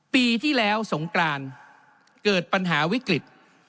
ปีที่แล้วสงกรานเกิดปัญหาวิกฤต